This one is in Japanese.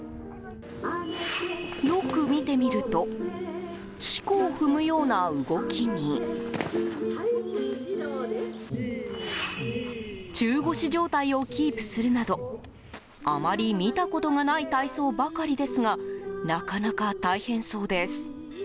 よく見てみると四股を踏むような動きに中腰状態をキープするなどあまり見たことがない体操ばかりですがなかなか大変そうです。